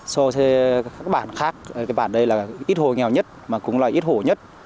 so với các bản khác cái bản đây là ít hộ nghèo nhất mà cũng là ít hộ nhất